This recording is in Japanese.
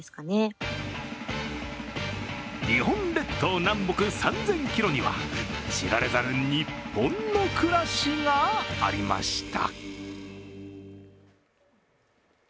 日本列島南北３０００ｋｍには知られざる日本の暮らしがありました。